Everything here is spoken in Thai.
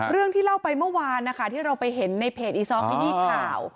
เรื่องที่เล่าไปเมื่อวานนะคะที่เราไปเห็นในเพจอีซอฟขยี้ข่าว